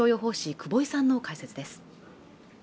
久保井さんの解説です